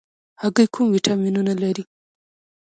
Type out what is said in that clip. هګۍ کوم ویټامینونه لري؟